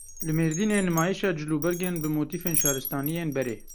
Li Mêrdinê nimayişa cilûbergên bi motifên şaristaniyên berê.